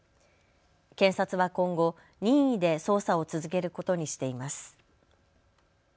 検察は今後、任意で捜査を続けることにしています。